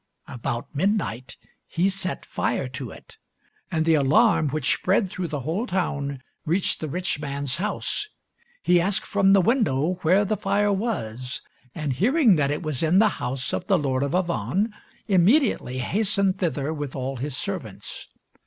About midnight he set fire to it, and the alarm, which spread through the whole town, reached the rich man's house. He asked from the window where the fire was, and hearing that it was in the house of the Lord of Avannes, immediately hastened thither with all his servants.